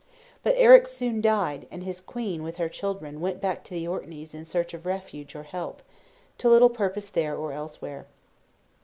But Eric soon died, and his queen, with her children, went back to the Orkneys in search of refuge or help; to little purpose there or elsewhere.